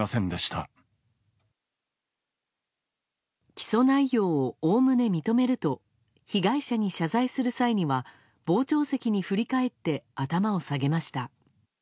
起訴内容をおおむね認めると被害者に謝罪する際には傍聴席に振り返って頭を下げました。